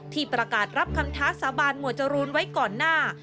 ที่ประกาศรับคำท้าสาบานหมวดจรูนไว้ก่อนหน้า